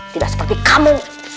tidak seperti kamu